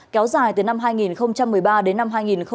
kéo dài từ năm hai nghìn một mươi ba đến năm hai nghìn một mươi năm